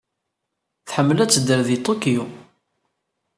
Tḥemmel ad tedder deg Tokyo.